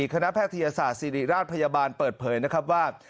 คณะแพทยศาสตร์ศิริราชพยาบาลเปิดเผยนะครับว่า